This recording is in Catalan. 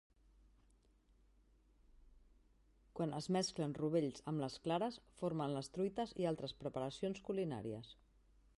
Quan es mesclen rovells amb les clares formen les truites i altres preparacions culinàries.